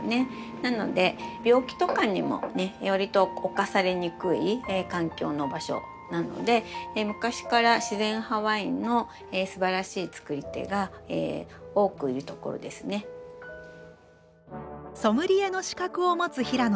なので病気とかにもねわりと侵されにくい環境の場所なので昔から自然派ワインのすばらしいつくり手が多くいる所ですね。ソムリエの資格を持つ平野さん。